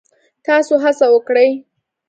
تاسو هڅه وکړئ